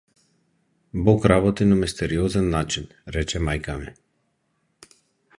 Бог работи на мистериозен начин, рече мајка ми.